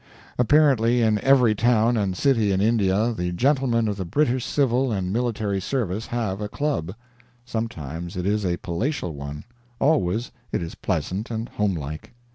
Apparently, in every town and city in India the gentlemen of the British civil and military service have a club; sometimes it is a palatial one, always it is pleasant and homelike.